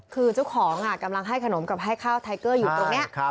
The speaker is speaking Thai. คือเจ้าของกำลังให้ขนมกับให้ข้าวไทเกอร์อยู่ตรงนี้